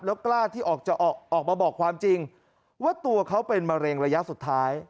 แล้วกล้าที่ออกมาบอกความจริงว่าตัวเขาเป็นมะเร็งระยะสุดท้าย